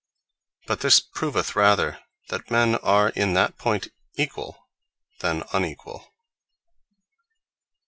But this proveth rather that men are in that point equall, than unequall.